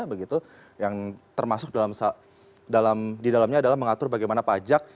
begitu yang termasuk di dalamnya adalah mengatur bagaimana pajak